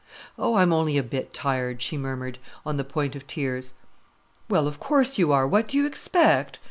"Oh, I'm only a bit tired," she murmured, on the point of tears. "Well, of course you are, what do you expect?"